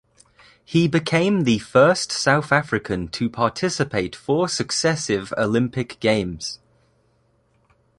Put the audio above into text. He became the first South African to participate four successive Olympic Games.